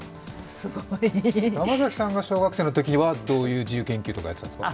山崎さんが小学生のときは、どういう自由研究をやっていたんですか。